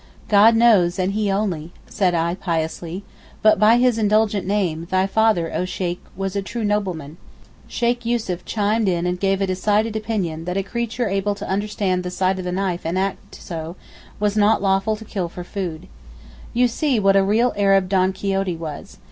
'God knows, and He only,' said I piously, 'but by His indulgent name, thy father, oh Sheykh, was a true nobleman.' Sheykh Yussuf chimed in and gave a decided opinion that a creature able to understand the sight of the knife and to act so, was not lawful to kill for food. You see what a real Arab Don Quixote was.